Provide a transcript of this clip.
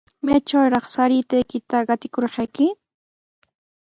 ¿Maytrawmi saraykita ratikurqayki?